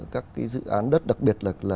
các cái dự án đất đặc biệt là